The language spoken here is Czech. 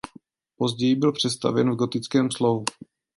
Později byl přestavěn v gotickém slohu.